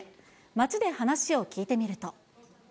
街で話を聞いてみると。